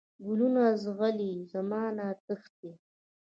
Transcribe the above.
کلونه زغلي، زمانه تښتي